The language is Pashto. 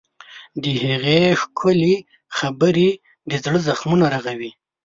د هغې ښکلي خبرې د زړه زخمونه رغوي.